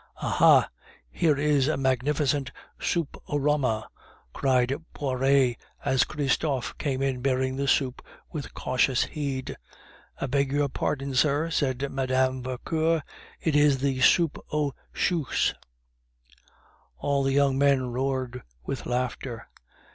"Aha! here is a magnificent soupe au rama," cried Poiret as Christophe came in bearing the soup with cautious heed. "I beg your pardon, sir," said Mme. Vauquer; "it is soupe aux choux." All the young men roared with laughter.